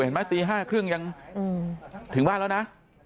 เห็นไหมตี๕๓๐ยังถึงบ้านแล้วนะ